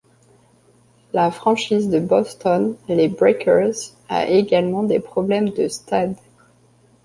La franchise de Boston, les Breakers, a également des problèmes de stade.